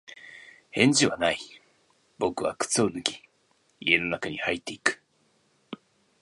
返事はない。僕は靴を脱ぎ、家の中に入っていく。